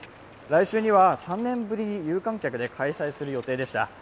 来週には３年ぶりに有観客で開催する予定でした。